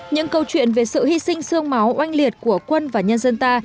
những câu chuyện về sự hy sinh sương máu oanh liệt của quân và nhân dân ta